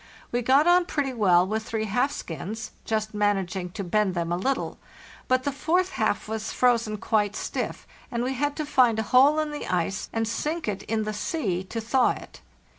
We got on pretty well with three half skins, just managing to bend them a little; but the fourth half was frozen quite stiff, and we had to find a hole in the ice, and sink it in the sea, to thaw it.